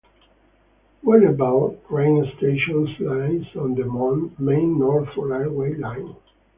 Warnervale train station lies on the Main North railway line.